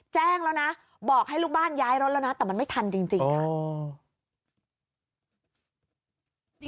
แจ้งแล้วนะบอกให้ลูกบ้านย้ายรถแล้วนะแต่มันไม่ทันจริงค่ะ